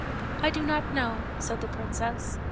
" I do not know," said the princess.